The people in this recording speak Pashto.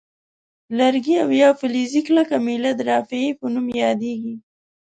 لرګی او یا فلزي کلکه میله د رافعې په نوم یادیږي.